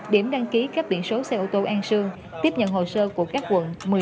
điểm đăng ký cấp biển số xe ô tô an sương tiếp nhận hồ sơ của các quận một mươi